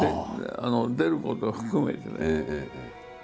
出ることを含めてね。